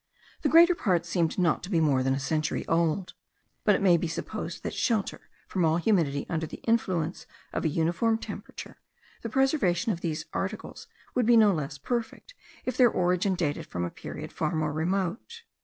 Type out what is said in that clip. The greater part seemed not to be more than a century old; but it may be supposed that, sheltered from all humidity under the influence of a uniform temperature, the preservation of these articles would be no less perfect if their origin dated from a period far more remote.